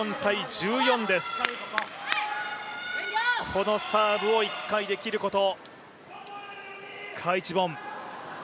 このサーブを一回で切ること。